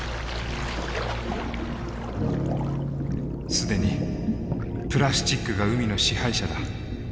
既にプラスチックが海の支配者だ。